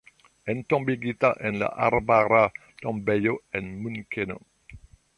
Entombigita en la Arbara Tombejo en Munkeno.